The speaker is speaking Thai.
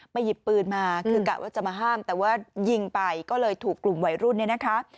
หยิบปืนมาคือกะว่าจะมาห้ามแต่ว่ายิงไปก็เลยถูกกลุ่มวัยรุ่นเนี่ยนะคะ